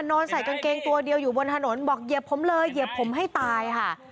นอนใส่กางเกงตัวเดียวอยู่บนถนนบอกเหยียบผมเลยเหยียบผมให้ตายค่ะ